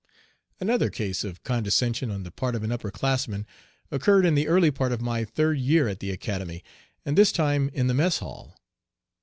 Another case of condescension on the part of an upper classman occurred in the early part of my third year at the Academy, and this time in the mess hall.